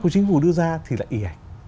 của chính phủ đưa ra thì lại y hành